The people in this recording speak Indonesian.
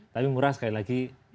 tapi murah sekali lagi